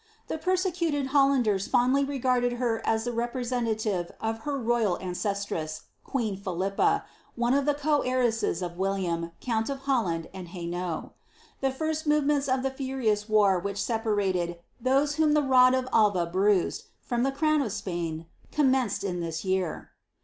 The persecuted Hollanders fondly regarded her as the representative of her royal ao eestress, queen Philippe, one of the co heiresses of William, conol of Hcdiand and HainaulL The first movements of the furious war which aepanited '' those whom the rod of Alva bruised," frorti the crown erf* Spain, commenced in this year.